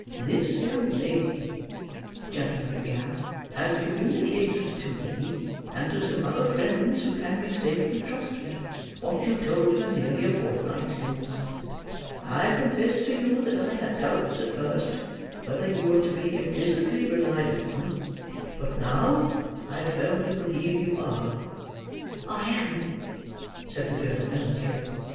"This young lady," the gentleman began, "has communicated to me, and to some other friends who can be safely trusted, what you told her nearly a fortnight since. I confess to you that I had doubts, at first, whether you were to be implicitly relied upon, but now I firmly believe you are." "I am," said the girl earnestly.